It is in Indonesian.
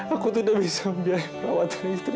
aku tidak bisa membiayai perawat dan istri